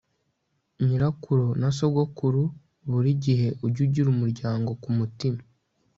nyirakuru na sogokuru buri gihe ujye ugira umuryango kumutima